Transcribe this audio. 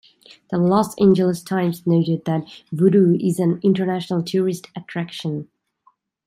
The "Los Angeles Times" noted that Voodoo is an international tourist attraction.